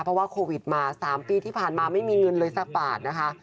เพราะว่าโควิดมา๓ปีที่ผ่านมาไม่มีเงินเลยสักบาทนะคะ